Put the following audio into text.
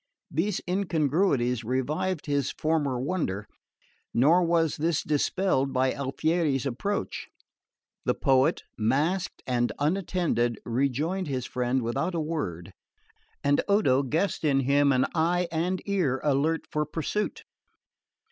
These incongruities revived his former wonder; nor was this dispelled by Alfieri's approach. The poet, masked and unattended, rejoined his friend without a word; and Odo guessed in him an eye and ear alert for pursuit.